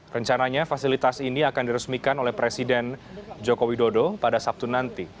rencananya fasilitas ini akan diresmikan oleh presiden joko widodo pada sabtu nanti